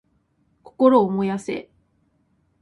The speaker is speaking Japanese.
心を燃やせ！